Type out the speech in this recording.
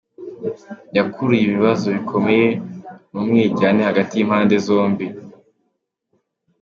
Yakuruye ibibazo bikomeye n’umwiryane hagati y’impande zombi.